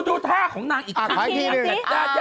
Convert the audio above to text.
ดูท่าของนางอีกทีหนึ่งอาจารย์วิทย์ค่ะ